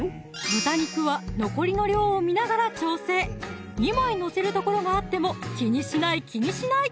豚肉は残りの量を見ながら調整２枚載せるところがあっても気にしない気にしない